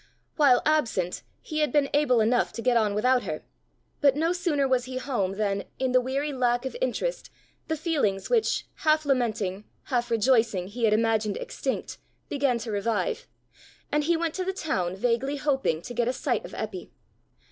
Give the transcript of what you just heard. While absent he had been able enough to get on without her, but no sooner was he home than, in the weary lack of interest, the feelings which, half lamenting, half rejoicing, he had imagined extinct, began to revive, and he went to the town vaguely hoping to get a sight of Eppy.